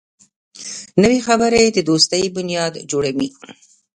نوې خبرې د دوستۍ بنیاد جوړوي